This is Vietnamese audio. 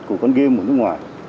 của con game ở nước ngoài